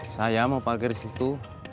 saya mau parkir di situ